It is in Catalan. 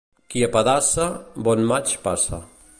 Qui apedaça, bon maig passa.